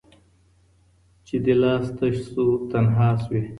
چي دي لاس تش سو تنها سوې